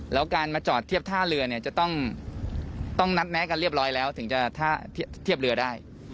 แล้วการมาจอดเทียบท่าเรือเนี่ยจะต้องนัดแม้กันเรียบร้อยแล้วถึงจะเทียบเรือได้